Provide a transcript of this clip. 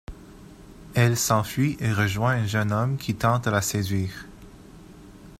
Elle s'enfuit et rejoint un jeune homme qui tente de la séduire.